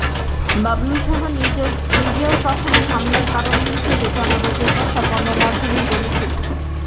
বাবলু সাহা নিজেও তখন হামলার কারণ হিসেবে চাঁদাবাজির কথা গণমাধ্যমকে বলেছিলেন।